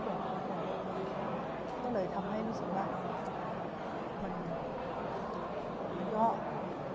แต่ตัวตัวที่สองหมาจะไม่ใช่เข้าข้อทั่วถือ